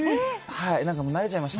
もう慣れちゃいました。